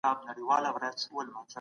ولي د ښځو حقونه د بشري حقونو برخه ده؟